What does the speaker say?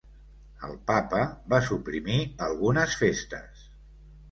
El papa va suprimir algunes festes.